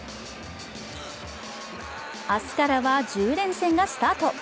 明日からは１０連戦がスタート。